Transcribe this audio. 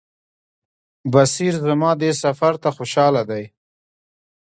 بصیر زما دې سفر ته خوشاله دی.